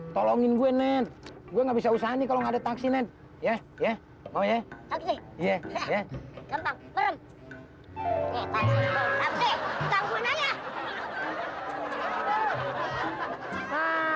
tolongin gue net gue nggak bisa usahanya kalau ada taksi net ya ya ya ya ya ya